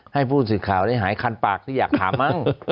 ให้ผู้สื่อข่าวได้หายคันปากสิอยากถามมั้ง